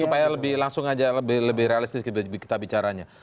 supaya langsung aja lebih realistis kita bicaranya